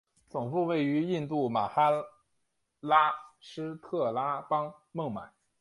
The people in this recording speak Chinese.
总部位于印度马哈拉施特拉邦孟买。